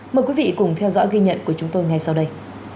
mời quý vị cùng theo dõi ghi nhận của chúng tôi ngay sau đây